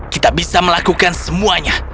kita bisa melakukan semuanya